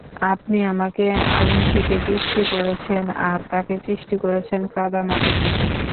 আপনি আমাকে আগুন থেকে সৃষ্টি করেছেন আর তাকে সৃষ্টি করেছেন কাদা মাটি থেকে।